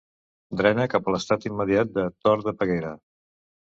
Drena cap a l’estany immediat de Tort de Peguera.